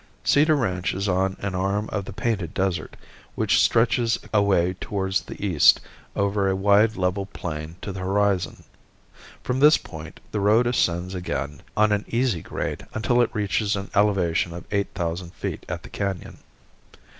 Cedar Ranch is on an arm of the Painted Desert, which stretches away towards the east over a wide level plain to the horizon. From this point the road ascends again on an easy grade until it reaches an elevation of eight thousand feet at the Canon.